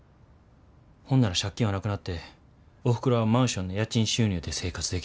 ほんなら借金はなくなっておふくろはマンションの家賃収入で生活できる。